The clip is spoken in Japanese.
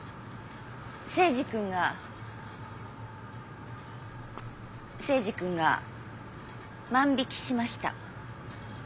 征二君が征二君が万引きしました。